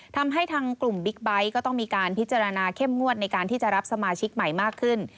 ทำให้ทางกลุ่มบิ๊กไบท์ก็ต้องมีการพิจารณาเข้มงวดในการที่จะรับสมาชิกใหม่มากขึ้น